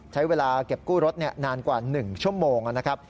ใช้เวลาเก็บกู้รถนานกว่า๑ชั่วโมงนะครับ